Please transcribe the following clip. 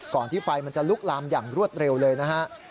ก่อนที่ไฟมันจะรุกล้ามอย่างรวดเร็วเลยนะ